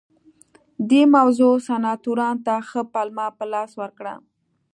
دې موضوع سناتورانو ته ښه پلمه په لاس ورکړه